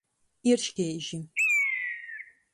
Ierškeiži.